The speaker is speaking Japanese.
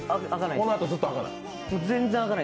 このあともずっと開かない。